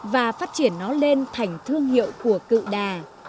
và phát triển nó lên thành thương hiệu của cựu đà